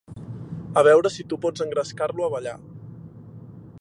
A veure si tu pots engrescar-lo a ballar.